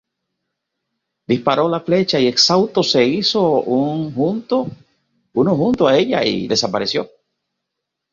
Disparó la flecha y, exhausto, se hizo uno junto con ella y desapareció.